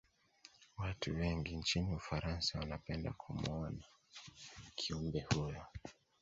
Watu wengi nchini ufarasa wanapenda kumuona Kiumbe huyo